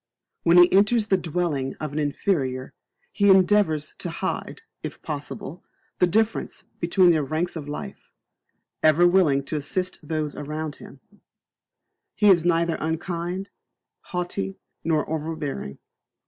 When he enters the dwelling of an inferior, he endeavours to hide, if possible, the difference between their ranks of life; ever willing to assist those around him, he is neither unkind, haughty, nor over bearing.